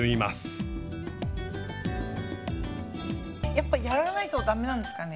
やっぱやらないと駄目なんですかね。